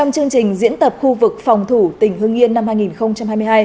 cũng như chương trình của hội thảo đã đề ra